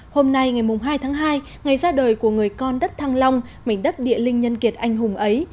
hôm nay ngày hai tháng hai ngày ra đời của người con đất thăng long mảnh đất địa linh nhân kiệt anh hùng ấy